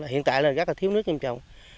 hiện tại là rất là thiếu nước nghiêm trọng